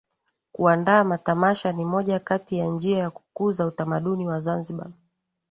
Kuandaa matamasha ni moja kati ya njia ya kukuza utamaduni wa Zanzibar